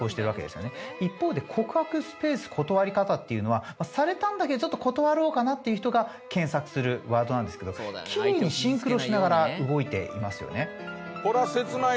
一方で「告白スペース断り方」っていうのはされたんだけどちょっと断ろうかなっていう人が検索するワードなんですけどキレイにシンクロしながら動いていますよね。